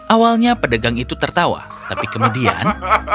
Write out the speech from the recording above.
awalnya pedagang itu tertawa tapi kemudian